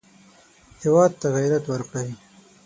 هېواد ته غیرت ورکړئ